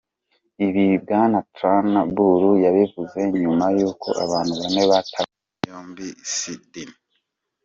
Ibi Bwana Turnbull yabivuze nyuma y'uko abantu bane batawe muri yombi i Sydney.